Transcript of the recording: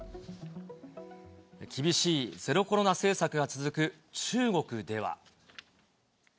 厳しいゼロコロナ政策が続く中国では。